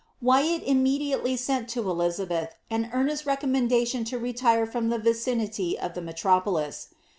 * Wjrat immediately sent to Elizabeth an earnest recommendation to retire from the vicinity of the metropolis.